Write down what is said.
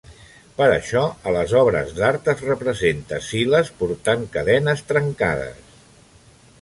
Per això, a les obres d'art es representa Silas portant cadenes trencades.